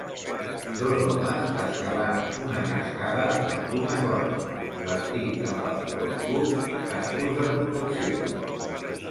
Dos homes escalant una cascada amb una corda, vestits amb pantalons curts i cascos de protecció.